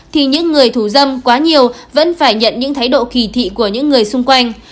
thì những người thủ dâm quá nhiều vẫn phải nhận những thái độ kỳ thị của những người xung quanh